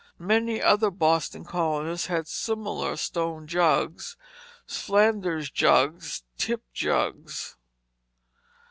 Many other Boston colonists had similar "stone juggs," "fflanders juggs," "tipt juggs."